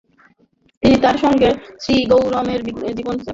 তিনি তাঁর সঙ্গে শ্ৰীগৌরাঙ্গের জীবনকথা কবিতাকারে সংশ্লিষ্ট করেন।